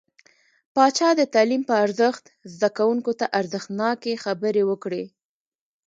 پاچا د تعليم په ارزښت، زده کوونکو ته ارزښتناکې خبرې وکړې .